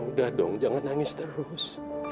udah dong jangan nangis terus